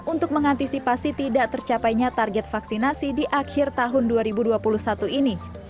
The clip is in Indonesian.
untuk mengantisipasi tidak tercapainya target vaksinasi di akhir tahun dua ribu dua puluh satu ini